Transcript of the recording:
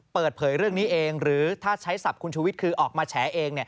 เปิดเผยเรื่องนี้เองหรือถ้าใช้ศัพท์คุณชูวิทย์คือออกมาแฉเอง